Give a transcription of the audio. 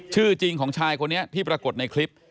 ชื่อจริงของชายคนนี้ที่ปรากฏในคลิป